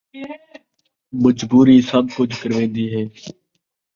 مجبوری سب کجھ کروین٘دی ہے